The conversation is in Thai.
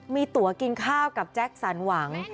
มีตัวกินข้าวกับแจ็คสันหวัง